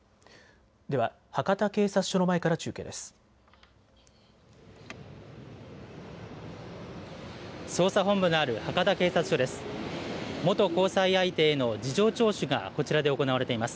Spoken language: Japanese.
では博多警察署の前から中継です。